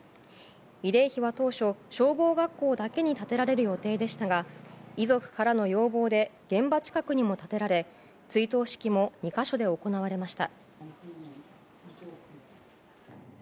慰霊碑は当初、消防学校だけに建てられる予定でしたが遺族からの要望で現場近くにも建てられ追悼式も２か所で行われました。